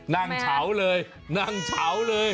เฉาเลยนั่งเฉาเลย